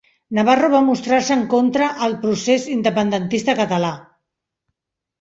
Navarro va mostrar-se en contra el procés independentista català.